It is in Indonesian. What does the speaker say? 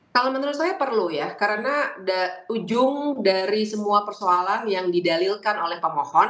kalau menurut saya perlu ya karena ujung dari semua persoalan yang didalilkan oleh pemohon dua ratus dua puluh dua